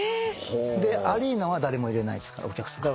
でアリーナは誰も入れないっすからお客さん。